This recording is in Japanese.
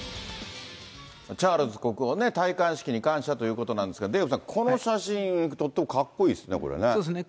チャールズ国王ね、戴冠式に感謝ということなんですが、デーブさん、この写真、とってもかっこいいですね、そうですね。